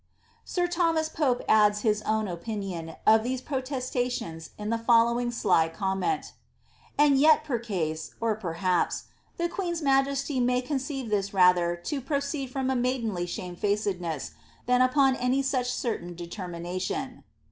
" Sir Thomas Pope adds his own opinion of these protesta* tions, in tiie following sly comment, ^^ And yet percase (perhaps) the queen's majesty may conceive this rather to proceed of a maidenly shamefaced ness« than upon any such certain determination."